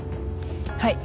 はい。